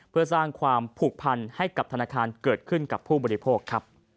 เพื่อสร้างความผูกพันให้กับธนาคารเกิดขึ้นกับผู้บริโภคครับ